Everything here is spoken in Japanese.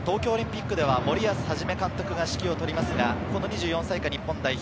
東京オリンピックでは森保一監督が指揮をとりますが、この２４歳以下、日本代表。